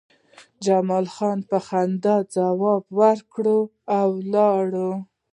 جمال خان په خندا ځواب ورکړ او لاړ